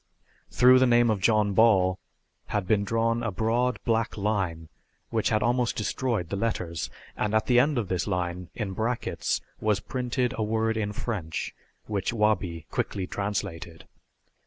Through the name of John Ball had been drawn a broad black line which had almost destroyed the letters, and at the end of this line, in brackets, was printed a word in French which Wabi quickly translated.